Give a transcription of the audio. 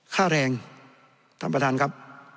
ค่าแรงท่านประธานครับ